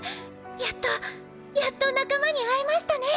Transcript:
やっとやっと仲間に会えましたね。